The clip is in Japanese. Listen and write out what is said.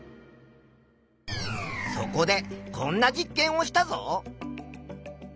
そこでこんな実験をしたぞ。